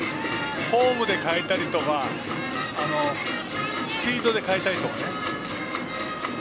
フォームで変えたりとかスピードで変えたりとかね。